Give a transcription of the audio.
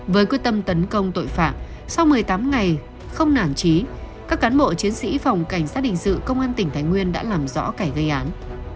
với quyết tâm tấn công tội phạm sau một mươi tám ngày không nản trí các cán bộ chiến sĩ phòng cảnh sát hình sự công an tỉnh thái nguyên đã làm rõ kẻ gây án